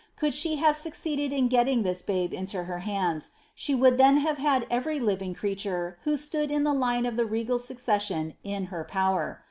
Could she have succeeded in getting this babe into her hands, the would then have had every living creature who stood in the line of the regal succession in her power.